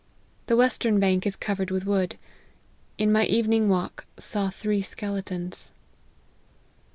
The western bank is covered with wood. In my evening walk saw three skeletons."